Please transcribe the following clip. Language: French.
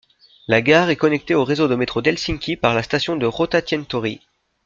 La gare est connectée au réseau de métro d'Helsinki par la station de rautatientori.